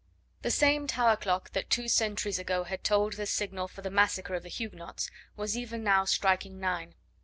The same tower clock that two centuries ago had tolled the signal for the massacre of the Huguenots was even now striking nine.